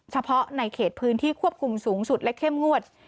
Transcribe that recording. เฉพาะในเขตพื้นที่ควบคุมสูงสุดและเข้มงวด